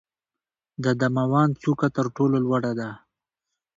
د دماوند څوکه تر ټولو لوړه ده.